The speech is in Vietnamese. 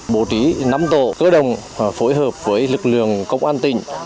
bổ trí năm tổ cơ đồng phối hợp với lực lượng công an tỉnh